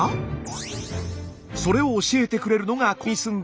それを教えてくれるのがこちら。